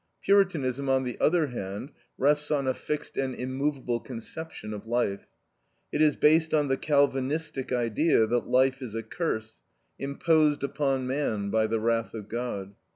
Puritanism, on the other hand, rests on a fixed and immovable conception of life; it is based on the Calvinistic idea that life is a curse, imposed upon man by the wrath of God.